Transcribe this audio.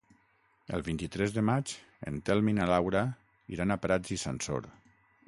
El vint-i-tres de maig en Telm i na Laura iran a Prats i Sansor.